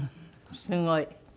すごい。